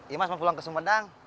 imas mau pulang ke sumedang